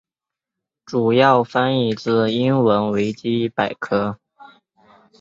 主要翻译自英文维基百科。